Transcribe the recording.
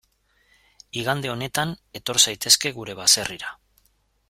Igande honetan etor zaitezke gure baserrira.